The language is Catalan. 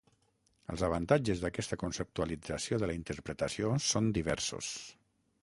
Els avantatges d'aquesta conceptualització de la interpretació són diversos.